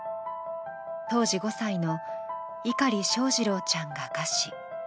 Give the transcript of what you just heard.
当時５歳の碇翔士郎ちゃんが餓死。